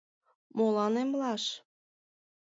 — Молан эмлаш.